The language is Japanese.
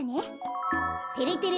てれてれ